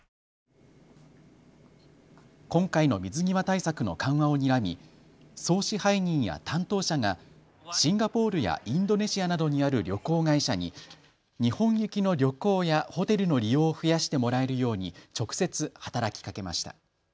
今回の水際対策の緩和をにらみ総支配人や担当者がシンガポールやインドネシアなどにある旅行会社に日本行きの旅行やホテルの利用を増やしてもらえるように直接、働きかけました。